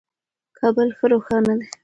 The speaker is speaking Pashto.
کابل ښه روښانه دی.